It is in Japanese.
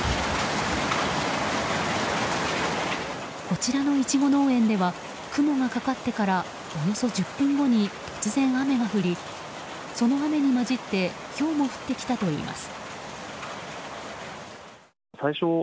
こちらのイチゴ農園では雲がかかってからおよそ１０分後に突然雨が降りその雨に混じってひょうも降ってきたといいます。